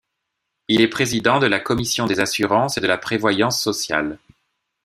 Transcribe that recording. Il est président de la commission des assurances et de la prévoyance sociale.